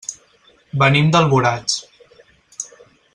Venim d'Alboraig.